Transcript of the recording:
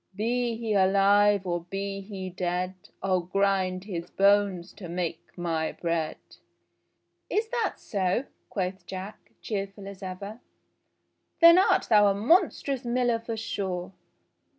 Be he alive, or be he dead, I'll grind his bones to make my bread !'* "Is that SO.?" quoth Jack, cheerful as ever. "Then art thou a monstrous miller for sure